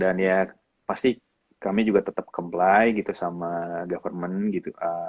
dan ya pasti kami juga tetep comply gitu sama government gitu